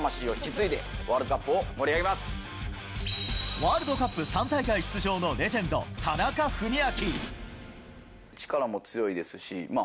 ワールドカップ３大会出場のレジェンド・田中史朗。